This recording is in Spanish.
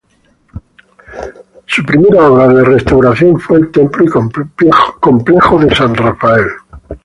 Su primera obra de restauración fue el templo y complejo de San Rafael.